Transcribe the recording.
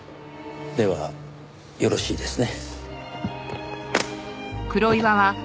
ではよろしいですね。